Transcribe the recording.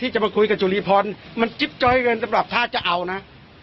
จะมาคุยกับจุรีพรมันจิ๊บจ้อยเกินสำหรับถ้าจะเอานะ